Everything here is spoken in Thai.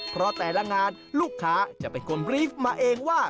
เพราะแต่ละงานลูกค้าจะเป็นคนบรีฟมาเองว่า